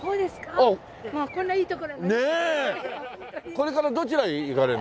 これからどちらへ行かれるの？